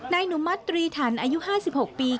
นายหนุมตรีธรรมอายุ๕๖ปี